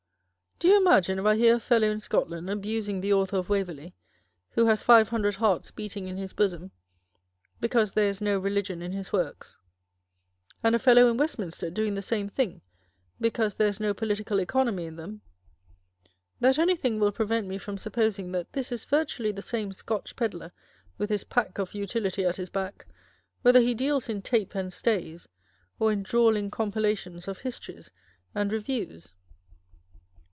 Do you imagine if I hear a fellow in Scotland abusing the Author of Waverley, who has five hundred hearts beating in his bosom, because there is no Religion in his works, and a fellow in Westminster doing the same thing because there is no Political Economy in them, that anything will prevent me from supposing that this is virtually the same Scotch pedlar with his pack of Utility at his back, whether he deals in tape and stays or in drawling compilations of histories and reviews